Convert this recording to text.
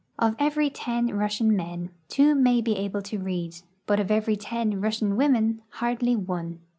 Of every ten Russian men, two may be able to read, but of eveiy ten Russian women, hardl}^ one.